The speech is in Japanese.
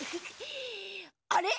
あれ？